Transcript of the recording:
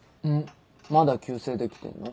まだ旧姓できてんの？